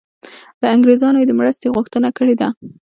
له انګریزانو یې د مرستې غوښتنه کړې ده.